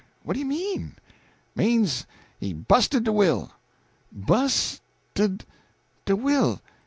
What do it mean?" "Means he bu'sted de will." "Bu's ted de will!